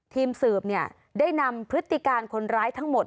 ทีมสืบได้นำพฤติการคนร้ายทั้งหมด